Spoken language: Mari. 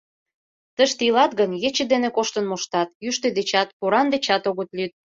Тыште илат гын, ече дене коштын моштат, йӱштӧ дечат, поран дечат огыт лӱд.